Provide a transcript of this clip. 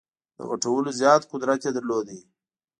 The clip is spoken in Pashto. د غټولو زیات قدرت یې درلود.